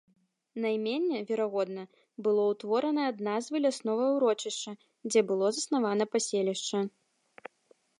Найменне, верагодна, было ўтворана ад назвы ляснога ўрочышча, дзе было заснавана паселішча.